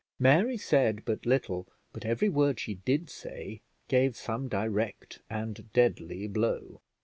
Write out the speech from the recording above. Mary said but little, but every word she did say gave some direct and deadly blow.